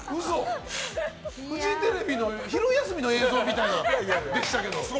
フジテレビの昼休みの映像みたいなのでしたけど。